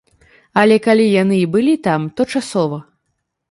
Але калі яны і былі там, то часова.